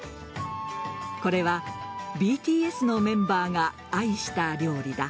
これはＢＴＳのメンバーが愛した料理だ。